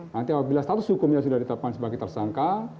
nanti apabila status hukumnya sudah ditetapkan sebagai tersangka